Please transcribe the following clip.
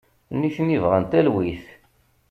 Nitni bɣan talwit.